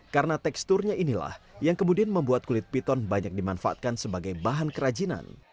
karena teksturnya inilah yang kemudian membuat kulit piton banyak dimanfaatkan sebagai bahan kerajinan